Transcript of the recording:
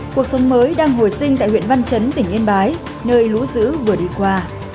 cuộc sống mới đang hồi sinh tại huyện văn chấn tỉnh yên bái nơi lũ dữ vừa đi qua